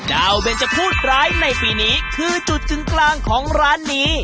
เบนจะพูดร้ายในปีนี้คือจุดจึงกลางของร้านนี้